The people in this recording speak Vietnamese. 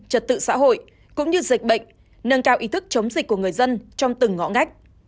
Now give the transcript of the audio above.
trật tự xã hội cũng như dịch bệnh nâng cao ý thức chống dịch của người dân trong từng ngõ ngách